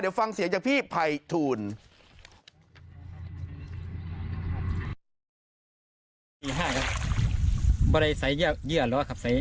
เดี๋ยวฟังเสียงจากพี่ภัยทูล